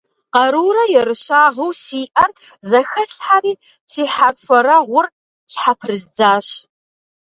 Къарурэ ерыщагъыу сиӏэр зэхэслъхьэри, си хьэрхуэрэгъур щхьэпрыздзащ.